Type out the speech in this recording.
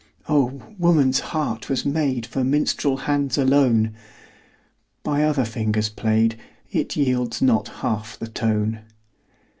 Oh! woman's heart was made For minstrel hands alone; By other fingers played, It yields not half the tone.